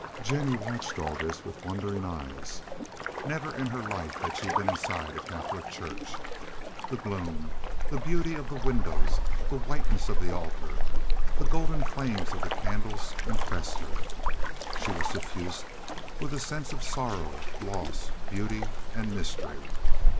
Jennie watched all this with wondering eyes. Never in her life had she been inside a Catholic church. The gloom, the beauty of the windows, the whiteness of the altar, the golden flames of the candles impressed her. She was suffused with a sense of sorrow, loss, beauty, and mystery.